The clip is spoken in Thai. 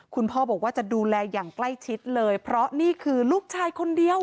คุณพ่อบอกว่าจะดูแลอย่างใกล้ชิดเลยเพราะนี่คือลูกชายคนเดียว